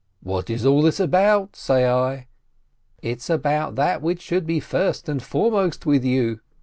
"What is all this about?" say I.— "It's about that which should be first and foremost with you."